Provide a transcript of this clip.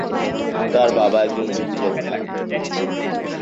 তার বাবা একজন মুক্তিযোদ্ধা।